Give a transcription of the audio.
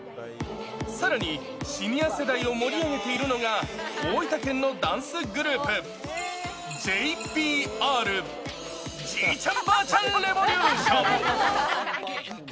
さらに、シニア世代を盛り上げているのが、大分県のダンスグループ、ＪＢＲ・じいちゃん、ばあちゃん、レボリューション。